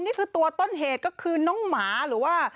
นี่คือตัวต้นเหตุก็คือน้องหมาหรือว่า